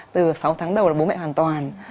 từ sáu tháng đầu là bố mẹ hoàn toàn